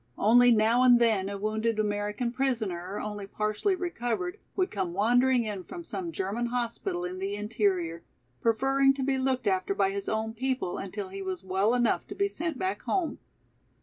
Only now and then a wounded American prisoner, only partially recovered, would come wandering in from some German hospital in the interior, preferring to be looked after by his own people until he was well enough to be sent back home.